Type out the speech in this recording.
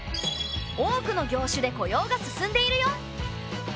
多くの業種で雇用が進んでいるよ。